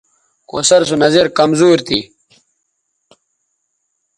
کوثر سو نظِر کمزور تھی